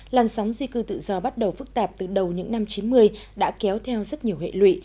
làn sóng di cư tự do bắt đầu phức tạp từ đầu những năm chín mươi đã kéo theo rất nhiều hệ lụy